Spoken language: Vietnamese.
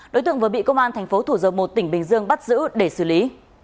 đối tượng vừa bị công an thành phố thủ dầu một tỉnh bình dương bắt giữ để xử lý